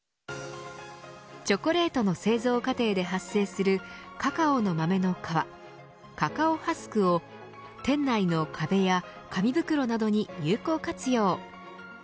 チョコレートの製造過程で発生するカカオの豆の皮カカオハスクを店内の壁や紙袋などに有効活用。